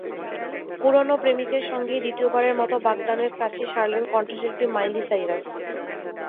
পুরোনো প্রেমিকের সঙ্গেই দ্বিতীয়বারের মতো বাগদানের কাজটি সারলেন কণ্ঠশিল্পী মাইলি সাইরাস।